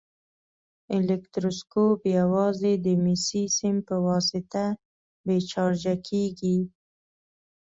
الکتروسکوپ یوازې د مسي سیم په واسطه بې چارجه کیږي.